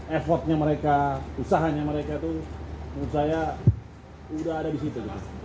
effortnya mereka usahanya mereka itu menurut saya sudah ada di situ